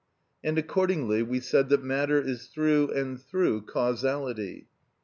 And accordingly, we said that matter is through and through causality.